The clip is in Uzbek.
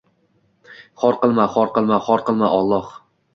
Xor qilma, xor qilma, xor qilma, Alloh…